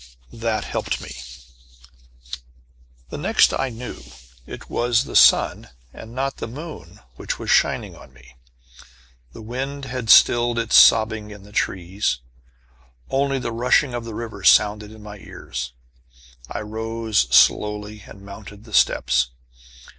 That helped me. The next I knew, it was the sun, and not the moon which was shining on me. The wind had stilled its sobbing in the trees. Only the rushing of the river sounded in my ears. I rose slowly, and mounted the steps.